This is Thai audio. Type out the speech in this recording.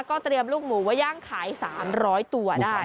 ก็เตรียมลูกหมูไว้ย่างขาย๓๐๐ตัวได้